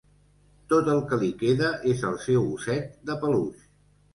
Tot el que li queda és el seu osset de peluix.